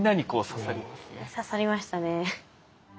刺さりましたね。